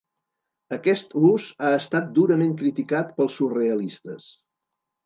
Aquest ús ha estat durament criticat pels surrealistes.